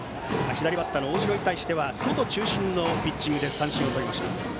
左バッターの大城に対して外中心のピッチングで三振をとりました。